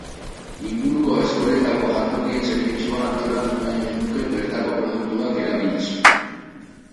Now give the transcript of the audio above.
Inguruko eskoletako jantokien zerbitzua antolatu nahi genuke bertako produktuak erabiliz.